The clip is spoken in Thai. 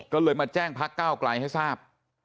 ก็เลยมาแจ้งพรรคเก้ากลายให้ทราบ